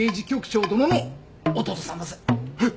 はい。